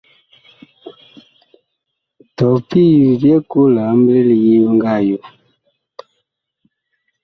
Tɔɔ pii bi byɛɛ koo liamble yee bi nga yo.